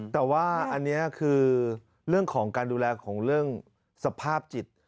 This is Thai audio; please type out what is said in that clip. แต่ว่าอันนี้คือเรื่องของการดูแลของเรื่องสภาพจิต